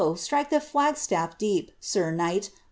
strike the fiag staff deep, Sir Knight!